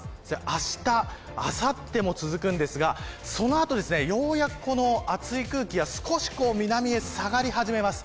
あした、あさっても続くんですがその後ようやくこの暑い空気が少し南へ下がり始めます。